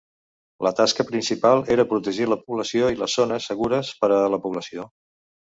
La tasca principal era protegir la població i les zones segures per a la població.